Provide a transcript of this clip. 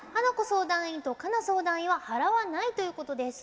相談員と佳奈相談員は「払わない」ということです。